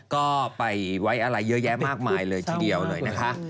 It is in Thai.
ก็ไปไว้อะไรเยอะแยะมากมายเลยทีเดียวเลยนะคะ